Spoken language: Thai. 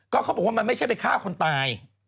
เขาบอกว่ามันไม่ใช่ไปฆ่าคนตาย